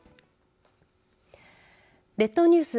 列島ニュース